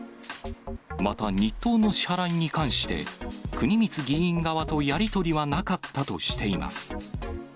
また日当の支払いに関して、国光議員側とやり取りはなかったとしています。